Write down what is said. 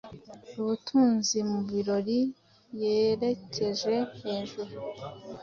Ubutunzi mu birori Yerekeje hejuru